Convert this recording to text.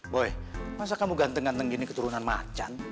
boy masa kamu ganteng ganteng gini keturunan macan